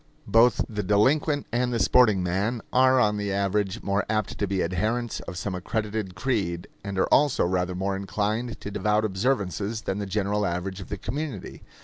Both the delinquent and the sporting man are on the average more apt to be adherents of some accredited creed, and are also rather more inclined to devout observances, than the general average of the community.